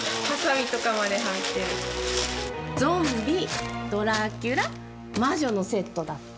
ゾンビドラキュラ魔女のセットだって。